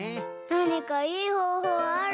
なにかいいほうほうある？